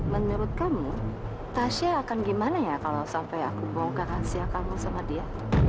menurut kamu tasya akan gimana ya kalau sampai aku bongkar hasil kamu sama dia